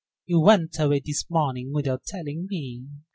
You went away this morning without telling me.